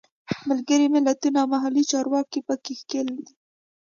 ملګري ملتونه او محلي چارواکي په کې ښکېل دي.